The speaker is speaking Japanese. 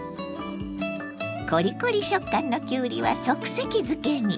コリコリ食感のきゅうりは即席漬けに。